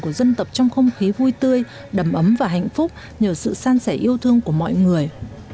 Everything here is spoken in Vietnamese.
của dân tộc trong không khí vui tươi đầm ấm và hạnh phúc nhờ sự san sẻ yêu thương của mọi người